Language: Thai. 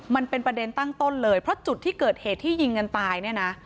มันเป็นประเด็นตั้งต้นเลยเพราะจุดที่เกิดเหตุที่ยิงกันตายเนี่ยนะ